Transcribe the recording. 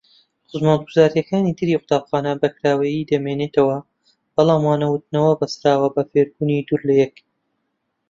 خزمەتگوزاریەکانی تری قوتابخانە بەکراوەیی دەمینێنەوە بەڵام وانەوتنەوە بەستراوە بە فێربوونی دوور لەیەک.